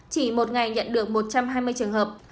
chỉ một ngày nhận được một trăm hai mươi trường hợp